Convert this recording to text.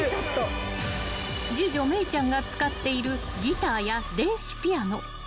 ［次女芽生ちゃんが使っているギターや電子ピアノ］